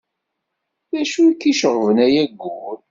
D acu i k-iceɣben ay ayyur.